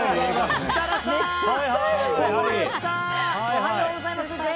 おはようございます。